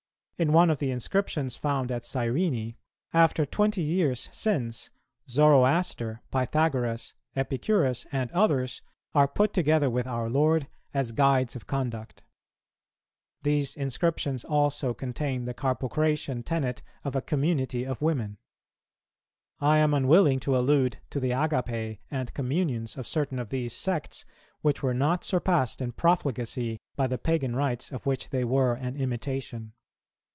In one of the inscriptions found at Cyrene, about twenty years since, Zoroaster, Pythagoras, Epicurus, and others, are put together with our Lord, as guides of conduct. These inscriptions also contain the Carpocratian tenet of a community of women. I am unwilling to allude to the Agapæ and Communions of certain of these sects, which were not surpassed in profligacy by the Pagan rites of which they were an imitation.